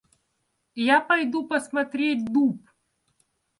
Я пойду посмотреть дуб.